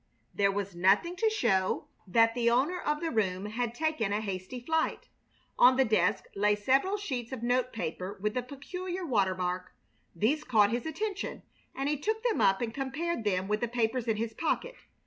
There was nothing to show that the owner of the room had taken a hasty flight. On the desk lay several sheets of note paper with the peculiar watermark. These caught his attention, and he took them up and compared them with the papers in his pocket.